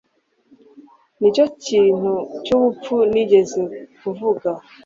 Nicyo kintu cyubupfu nigeze kuvuga.